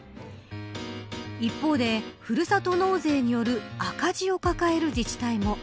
一方で、ふるさと納税による赤字を抱える自治体も。